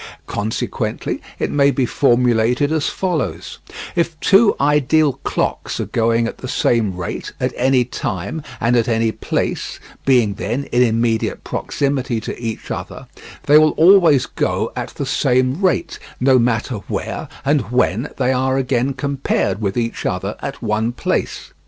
Consequently it may be formulated as follows: If two ideal clocks are going at the same rate at any time and at any place (being then in immediate proximity to each other), they will always go at the same rate, no matter where and when they are again compared with each other at one place.